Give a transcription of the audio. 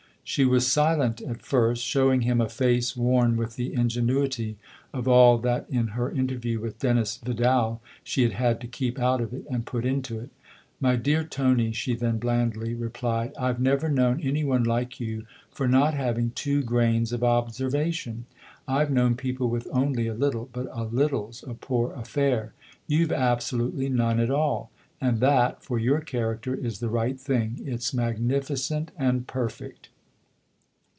She was silent at first, showing him a face worn with the ingenuity of all that in her interview with Dennis Vidal she had had to keep out of it and put into it. " My dear Tony/' she then blandly replied, " I've never known any one like you for not having two grains of observation. I've known people with only a little; but a little's a poor affair. You've absolutely none at all, and that, for your character, is the right thing : it's magnificent and perfect."